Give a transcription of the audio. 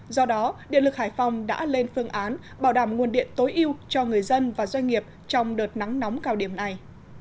do đó điện lực hải phòng đã lên phương án bảo đảm nguồn điện tối ưu cho người dân và doanh nghiệp trong đợt nắng nóng cao điểm này